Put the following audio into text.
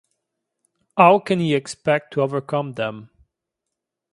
How can he expect to overcome them?